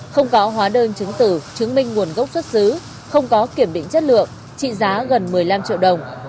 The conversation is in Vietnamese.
không có hóa đơn chứng tử chứng minh nguồn gốc xuất xứ không có kiểm định chất lượng trị giá gần một mươi năm triệu đồng